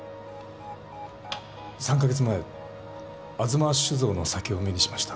３カ月前吾妻酒造の酒を目にしました。